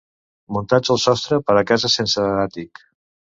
Muntats al sostre, per a cases sense àtic.